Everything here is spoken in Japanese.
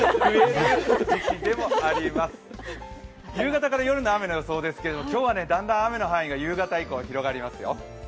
夕方から夜の雨の予想ですけど、今日は、だんだん雨の範囲が夕方以降、広がりますよ。